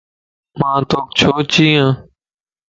مان توک ڇو چين يَ